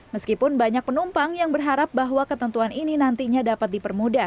meskipun banyak penumpang yang berharap bahwa ketentuan ini nantinya dapat dipermudah